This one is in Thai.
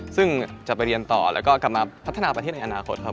ซึ่งจะไปเรียนต่อแล้วก็กลับมาพัฒนาประเทศในอนาคตครับ